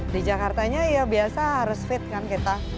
di jakartanya ya biasa harus fit kan kita